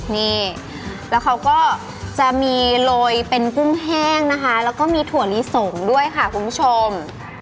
นี่แล้วเขาก็จะมีโรยเป็นกุ้งแห้งนะคะแล้วก็มีถั่วลีสงด้วยค่ะคุณผู้ชม